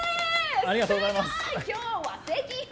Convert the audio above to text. ありがとうございますすごい！